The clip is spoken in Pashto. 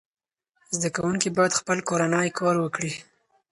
زده کوونکي باید خپل کورنی کار وکړي.